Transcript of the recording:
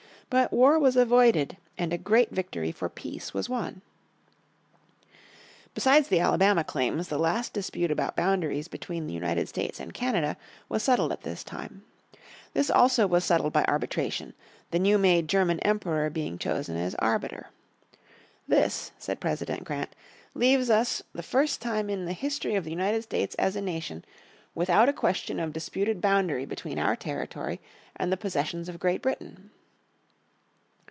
But war was avoided and a great victory for peace was won. Besides the Alabama Claims the last dispute about boundaries between the United States and Canada was settled at this time. This also was settled by arbitration, the new made German Emperor being chosen as arbiter. "This," said President Grant, "leaves us for the first time in the history of the United States as a nation, without a question of disputed boundary between our territory and the possessions of Great Britain."